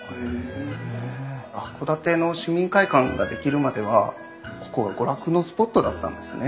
函館の市民会館が出来るまではここは娯楽のスポットだったんですね。